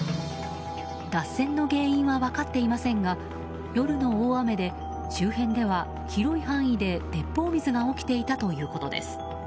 脱線の原因は分かっていませんが夜の大雨で周辺では、広い範囲で鉄砲水が起きていたということです。